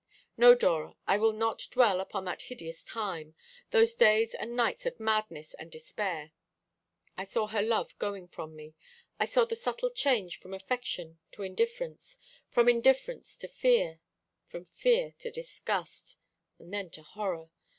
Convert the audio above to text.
"No, Dora, I will not dwell upon that hideous time, those days and nights of madness and despair. I saw her love going from me. I saw the subtle change from affection to indifference, from indifference to fear, from fear to disgust, and then to horror.